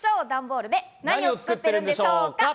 段ボールで何を作ってるんでしょうか？